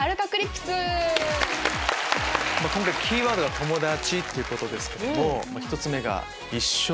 今回キーワードが「友達」ということですけども。